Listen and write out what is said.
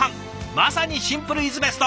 まさにシンプルイズベスト！